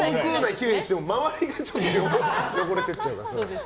きれいにしても周りが汚れて行っちゃうから。